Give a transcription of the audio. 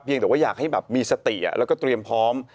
ยังแต่ว่าอยากให้แบบมีสติแล้วก็เตรียมพร้อม